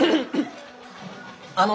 あの。